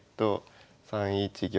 ３一玉。